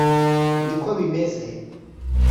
niko bimeze [